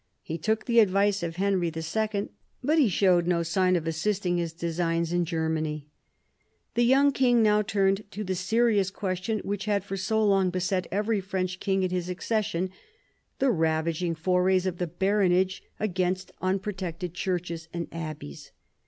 He took the advice of Henry II. , but he showed no sign of assisting his designs in Germany. The young king now turned to the serious question which had for so long beset every French king at his accession — the ravaging forays of the baronage against unprotected churches and abbeys.